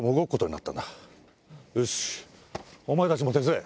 お前たちも手伝え。